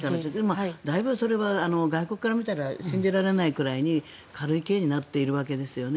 だいぶそれは外国から見たら信じられないくらいに軽い刑になっているわけですよね。